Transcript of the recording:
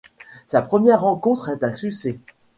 Sa première rencontre est un succès.